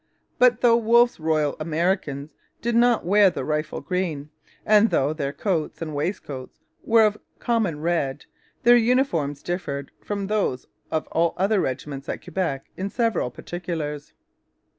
But though Wolfe's Royal Americans did not wear the rifle green, and though their coats and waistcoats were of common red, their uniforms differed from those of all other regiments at Quebec in several particulars.